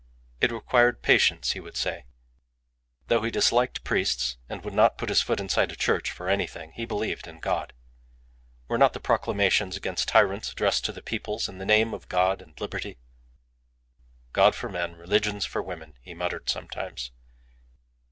It required patience, he would say. Though he disliked priests, and would not put his foot inside a church for anything, he believed in God. Were not the proclamations against tyrants addressed to the peoples in the name of God and liberty? "God for men religions for women," he muttered sometimes.